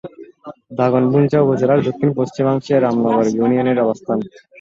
দাগনভূঞা উপজেলার দক্ষিণ-পশ্চিমাংশে রামনগর ইউনিয়নের অবস্থান।